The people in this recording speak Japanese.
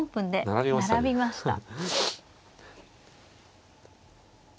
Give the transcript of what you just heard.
並びました。